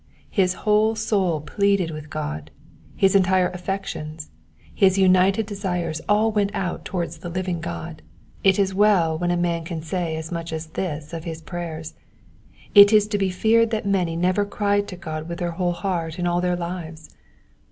Bis whole soul pleaded with G^, his entire affections, his umted desires all went out towards the living God. It is well wHen a man can say as much as this of his prayers : it is to be feared that many never cried to €k>d with their whole heart in all their lives.